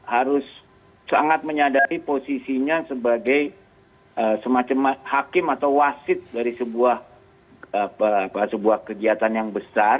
harus sangat menyadari posisinya sebagai semacam hakim atau wasit dari sebuah kegiatan yang besar